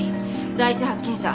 第一発見者